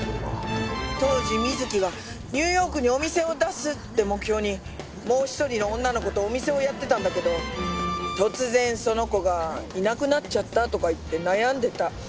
当時瑞希はニューヨークにお店を出すって目標にもう一人の女の子とお店をやってたんだけど突然その子がいなくなっちゃったとか言って悩んでた。